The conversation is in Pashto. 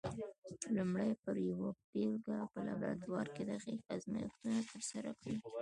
لومړی پر یوه بېلګه په لابراتوار کې دقیق ازمېښتونه ترسره کوي؟